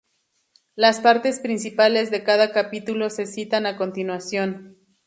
Las partes principales de cada capítulo se citan a continuación.